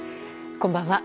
こんばんは。